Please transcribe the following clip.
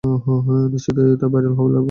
নিশ্চিত এটা ভাইরাল হবে।